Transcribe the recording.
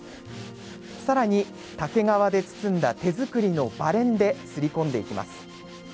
さらに、竹皮で包んだ手作りのバレンで刷り込んでいきます。